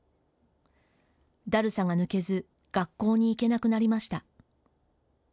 だるさが抜けず学校に行けなくなりました。